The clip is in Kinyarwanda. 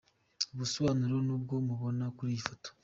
Ubusobanuro nubwo mubona kuri iyi foto.